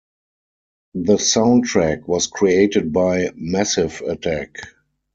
The soundtrack was created by Massive Attack.